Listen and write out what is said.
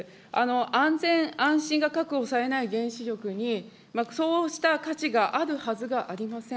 安全安心が確保されない原子力に、そうした価値があるはずがありません。